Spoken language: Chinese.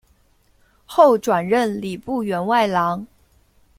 后转任礼部员外郎。